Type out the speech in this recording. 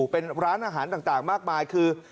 เป็นร้านอาหารต่างมากมายคือ